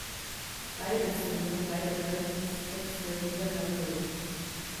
Beides sind verbreitete Rechtstexte dieser Periode.